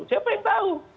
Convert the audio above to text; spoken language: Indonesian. siapa yang tahu